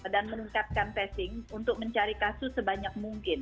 dan meningkatkan testing untuk mencari kasus sebanyak mungkin